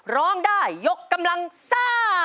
ร้องได้ยกกำลังซ่า